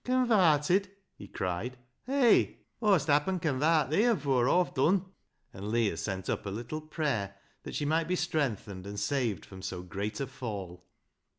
" Convarted !" he cried. " Hay ! Aw'st happen convart thee afoor Aw've done," And Leah sent up a little prayer that she might be strengthened and saved from so great a fall.